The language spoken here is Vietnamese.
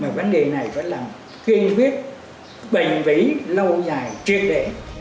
mà vấn đề này vẫn là khuyên quyết bệnh vĩ lâu dài triệt đệ